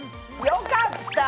よかった。